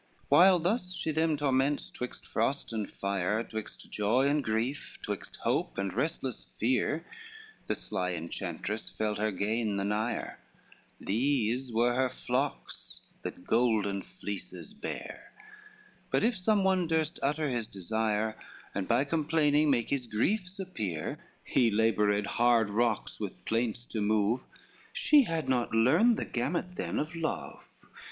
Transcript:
XCIII While thus she them torments twixt frost and fire, Twixt joy and grief, twixt hope and restless fear, The sly enchantress felt her gain the nigher, These were her flocks that golden fleeces bear: But if someone durst utter his desire, And by complaining make his griefs appear, He labored hard rocks with plaints to move, She had not learned the gamut then of love.